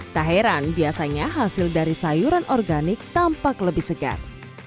tak heran biasanya hasil dari sayuran organik tampak lebih segar